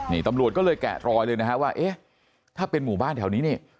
นี่ตำรวจก็เลยแกะรอยว่าถ้าเป็นหมู่บ้านแถวนี้